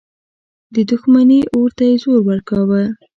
د دښمني اور ته یې زور ورکاوه.